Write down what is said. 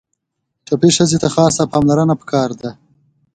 ټپي ښځې ته خاصه پاملرنه پکار ده.